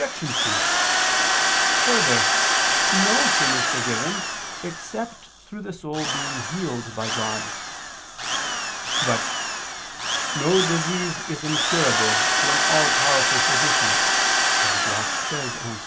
2: Further, no sin is forgiven, except through the soul being healed by God. But "no disease is incurable to an all powerful physician," as a gloss says on Ps.